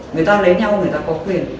người ta lấy nhau người ta có quyền